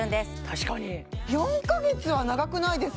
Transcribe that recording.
確かに４か月は長くないですか？